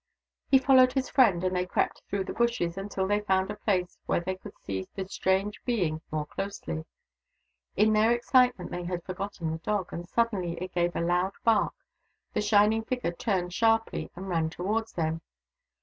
He followed his friend, and they crept through the bushes until they found a place where they could see the strange being more closely. In their excitement they had forgotten the dog, and suddenly it gave a loud bark. The shining figure turned sharply and ran towards them.